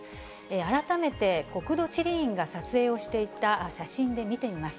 改めて国土地理院が撮影をしていた写真で見てみます。